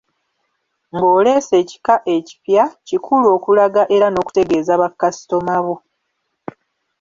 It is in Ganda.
Ng’oleese ekika ekipya, kikulu okulaga era n’okutegeeza bakasitoma bo.